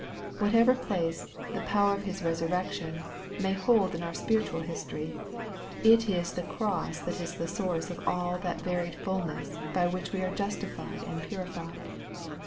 Whatever place ' the power of His resurrec tion' may hold in our spiritual history, it is the cross that is the source of all that varied fulness by which we are justified and purified.